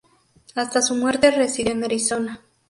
Hasta su muerte residió en Arizona.